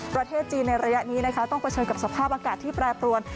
ประเทศจีนในระยะนี้นะคะต้องเผชิญกับสภาพอากาศที่แปรปรวน